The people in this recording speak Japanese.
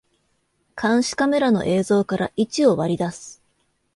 監視カメラの映像から位置を割り出す